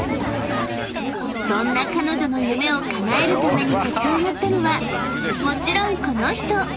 ［そんな彼女の夢をかなえるために立ち上がったのはもちろんこの人！］